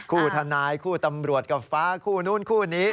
ทนายคู่ตำรวจกับฟ้าคู่นู้นคู่นี้